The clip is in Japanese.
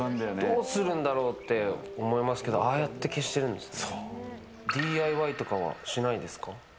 どうするんだろうって思いますけどああやって消してるんですね。